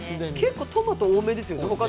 トマトが多めですね。